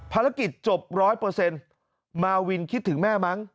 ภารกิจจบ๑๐๐มาวินคิดถึงแม่มั้ง